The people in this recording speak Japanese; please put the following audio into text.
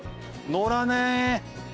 載らねえ。